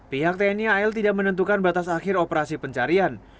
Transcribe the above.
pihak tni al tidak menentukan batas akhir operasi pencarian